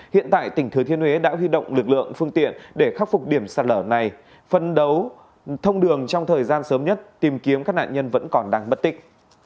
hiện tại tỉnh thừa thiên huế đã huy động lực lượng phương tiện để khắc phục điểm sạt lở này phân đấu thông đường trong thời gian sớm nhất tìm kiếm các nạn nhân vẫn còn đang bất tích